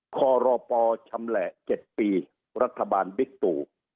คอรปชำแหละ๗ปีรัฐบาลบิ๊กตู